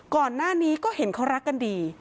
ก่อนหน้านี้ก็เห็นเขารักกันดี